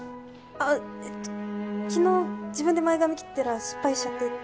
あっ昨日自分で前髪切ったら失敗しちゃって。